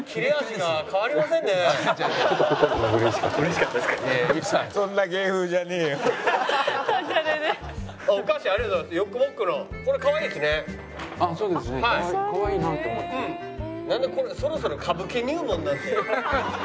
なんでこんな『そろそろ、歌舞伎入門。』なんて。